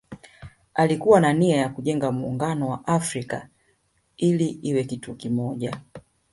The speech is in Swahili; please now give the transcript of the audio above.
Alikuwa na nia ya kujenga Muungano wa Afrika ili iwe kitu kimoja